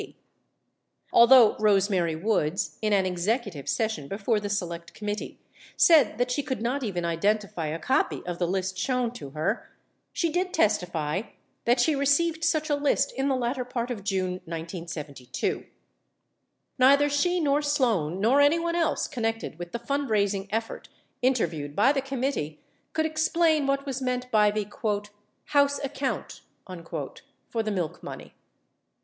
88 Although Rose Mary Woods, in an executive session before the Select Committee, said that she could not even identify a copy of the list shown to her, 39 she did testify that she received such a list in the latter part of June, 1972. 40 Neither she nor Sloan nor anyone else connected with the fund raising effort interviewed by the committee could explain what was meant by the "House Account" for the milk money.